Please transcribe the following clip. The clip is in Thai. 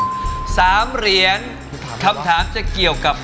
คำถามจะเกี่ยวกับ